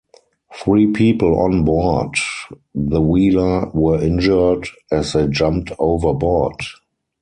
Three people on board the wheeler were injured as they jumped over board.